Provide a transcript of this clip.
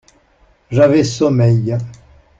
J'avais sommeil.